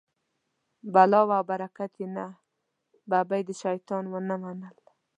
بلا وه او برکت یې نه، ببۍ د شیطان و نه منل.